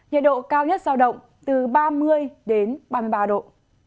nhiệt độ cao nhất giao động từ ba mươi đến ba mươi ba độ